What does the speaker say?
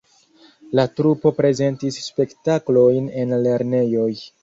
La trupo prezentis spektaklojn en lernejoj.